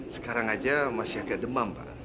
sekarang aja masih agak demam pak